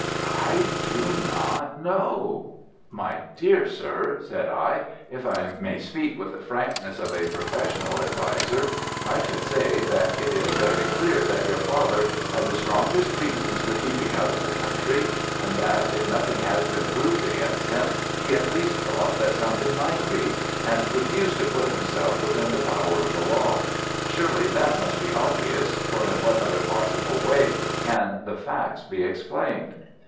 "I do not know." "My dear sir," said I, "if I may speak with the frankness of a professional adviser, I should say that it is very clear that your father had the strongest reasons for keeping out of the country, and that, if nothing has been proved against him, he at least thought that something might be, and refused to put himself within the power of the law. Surely that must be obvious, for in what other possible way can the facts be explained?"